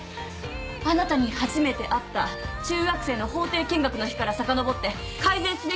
あなたに初めて会った中学生の法廷見学の日からさかのぼって改善すべき点を言っていきます！